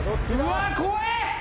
うわっ怖え！